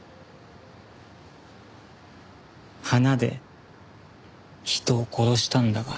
花で人を殺したんだから。